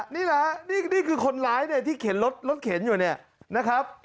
นี่แหละนี่คือคนร้ายเนี่ยที่เข็นรถเข็นอยู่เนี่ยนะครับ